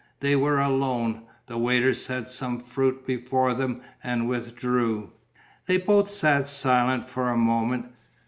They were alone. The waiter set some fruit before them and withdrew. They both sat silent for a moment.